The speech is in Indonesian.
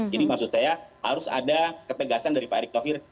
jadi maksud saya harus ada ketegasan dari pak erick thohir